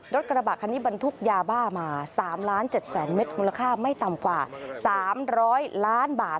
รถกระบะคันนี้บรรทุกยาบ้ามา๓๗๐๐๐เมตรมูลค่าไม่ต่ำกว่า๓๐๐ล้านบาท